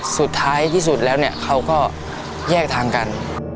สุดท้ายที่สุดแล้วเนี่ยเขาก็แยกทางกัน